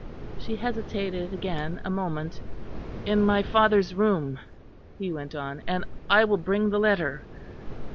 She hesitated again a moment. "In my father's room," he went on, "and I will bring the letter."